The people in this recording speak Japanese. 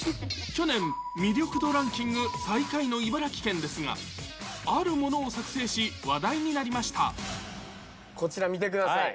去年、魅力度ランキング最下位の茨城県ですが、あるものを作成し、こちら、見てください。